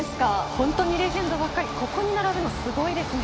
本当にレジェンドばかりここに並ぶのはすごいですね。